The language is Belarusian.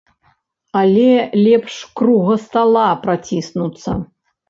Але лепш круга стала праціснуцца.